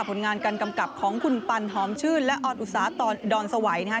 ผลงานการกำกับของคุณปันหอมชื่นและออนอุตสาดอนสวัยนะฮะ